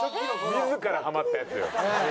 自らハマったやつよ。